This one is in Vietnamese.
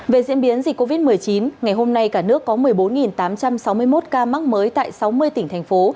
về diễn biến dịch covid một mươi chín ngày hôm nay cả nước có một mươi bốn tám trăm sáu mươi một ca mắc mới tại sáu mươi tỉnh thành phố